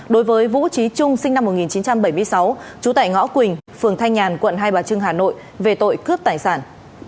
đối với vũ trí trung sinh năm một nghìn chín trăm bảy mươi sáu trú tại ngõ quỳnh phường thanh nhàn quận hai bà trưng hà nội về tội cướp tài sản